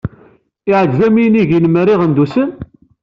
Iɛǧeb-am yinig-inem ar Iɣendusen?